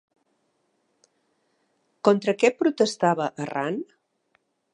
Contra què protestava Arran?